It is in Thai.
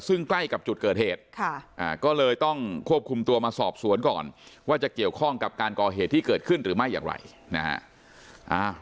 ซึ่งใกล้กับจุดเกิดเหตุก็เลยต้องควบคุมตัวมาสอบสวนก่อนว่าจะเกี่ยวข้องกับการก่อเหตุที่เกิดขึ้นหรือไม่อย่างไรนะฮะ